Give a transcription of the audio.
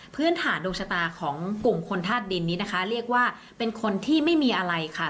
พื้นฐานดวงชะตาของกลุ่มคนธาตุดินนี้นะคะเรียกว่าเป็นคนที่ไม่มีอะไรค่ะ